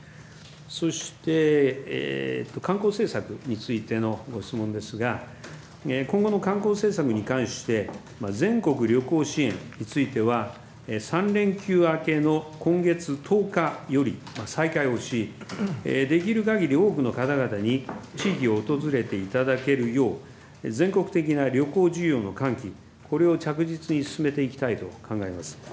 そして観光政策についてのご質問ですが、今後の観光政策に関して、全国旅行支援については、３連休明けの今月１０日より再開をし、できるかぎり多くの方々に地域を訪れていただけるよう、全国的な旅行需要の喚起、これを着実に進めていきたいと考えます。